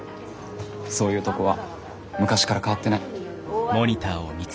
そういうとこは昔から変わってない。